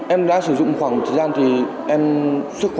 em đã sử dụng khoảng thời gian thì em sức khỏe